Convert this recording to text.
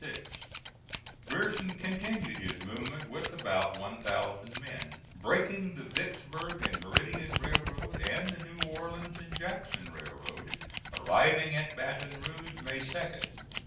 Grierson continued his movement with about 1,000 men, breaking the Vicksburg and Meridian railroad and the New Orleans and Jackson railroad, arriving at Baton Rouge May 2d.